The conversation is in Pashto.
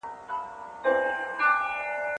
ساینس او ادب څنګه یو له بل سره مرسته کوي؟